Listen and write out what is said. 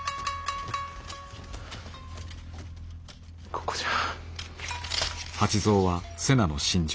ここじゃ。